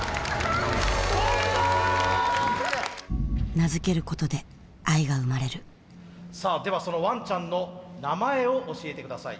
名付けることで愛が生まれるさあではそのワンちゃんの名前を教えて下さい。